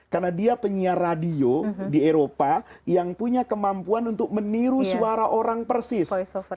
karena dia penyiar radio di eropa yang punya kemampuan untuk meniru suara orang persis